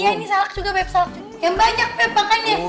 iya ini salak juga beb salak yang banyak beb makan ya